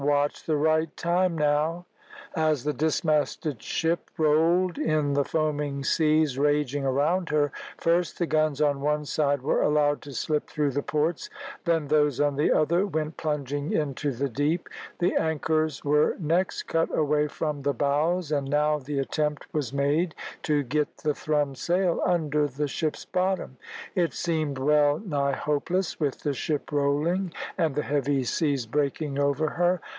"Watch the right time now." As the dismasted ship rolled in the foaming seas raging around her, first the guns on one side were allowed to slip through the ports, then those on the other went plunging into the deep. The anchors were next cut away from the bows, and now the attempt was made to get the thrummed sail under the ship's bottom. It seemed well nigh hopeless, with the ship rolling and the heavy seas breaking over her.